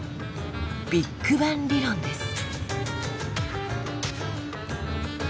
「ビッグバン理論」です。